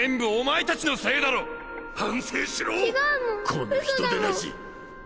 この人でなし！